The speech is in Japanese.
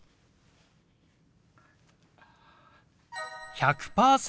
１００％